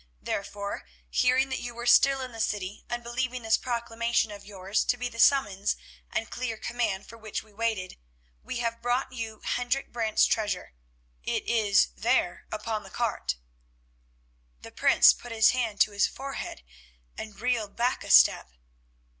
Therefore, hearing that you were still in the city, and believing this proclamation of yours to be the summons and clear command for which we waited, we have brought you Hendrik Brant's treasure. It is there upon the cart." The Prince put his hand to his forehead and reeled back a step.